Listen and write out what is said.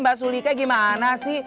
mbak sulika gimana sih